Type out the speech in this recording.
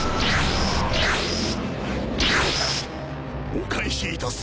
お返しいたす。